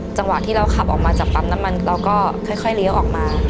จังหวะที่เราขับออกมาจากปั๊มน้ำมันเราก็ค่อยเลี้ยวออกมา